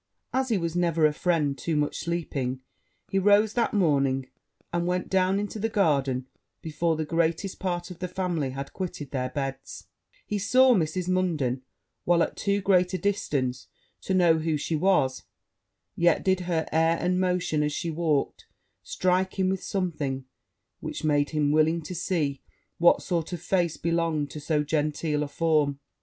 As he was never a friend to much sleeping, he rose that morning, and went down into the garden before the greatest part of the family had quitted their beds: he saw Mrs. Munden while at too great a distance to know who she was; yet did her air and motion, as she walked, strike him with something which made him willing to see what sort of face belonged to so genteel a form.